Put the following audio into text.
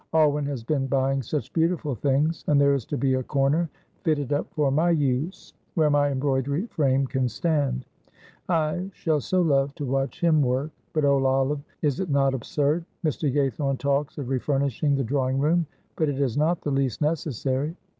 Alwyn has been buying such beautiful things, and there is to be a corner fitted up for my use, where my embroidery frame can stand. I shall so love to watch him work; but oh, Olive, is it not absurd? Mr. Gaythorne talks of refurnishing the drawing room, but it is not the least necessary.